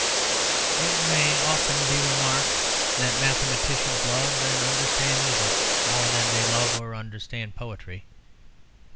It may often be remarked that mathematicians love and understand music more than they love or understand poetry.